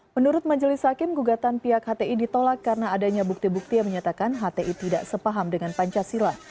menurut majelis hakim gugatan pihak hti ditolak karena adanya bukti bukti yang menyatakan hti tidak sepaham dengan pancasila